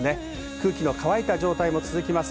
空気の乾いた状態も続きます。